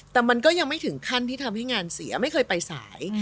แต่มันก็ยังไม่ถึงขั้นที่ทำให้งานเสียไม่เคยไปสาย